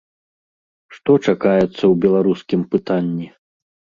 Што чакаецца ў беларускім пытанні?